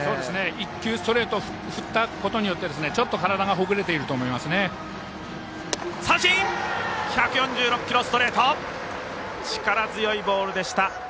１球、ストレートを振ったことによってちょっと体がほぐれていると思いますね。